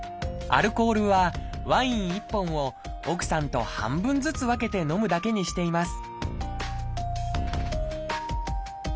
アルコールはワイン１本を奧さんと半分ずつ分けて飲むだけにしています